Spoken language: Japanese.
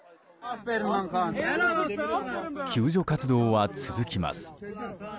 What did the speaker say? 救助活動は続きます。